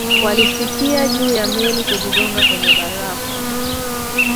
walisikia juu ya meli kujigonga kwenye barafu